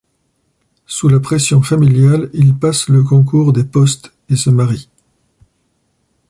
Sous la pression familiale, il passe le concours des postes et se marie.